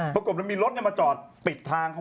ปรากฏแล้วมีรถมาจอดปิดทาง